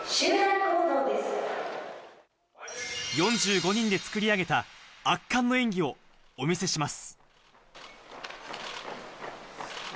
４５人で作り上げた、圧巻の演技をお見せします。